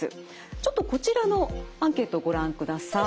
ちょっとこちらのアンケートをご覧ください。